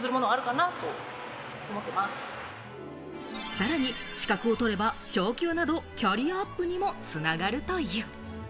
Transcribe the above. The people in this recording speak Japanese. さらに資格を取れば、昇給などキャリアアップにもつながるという。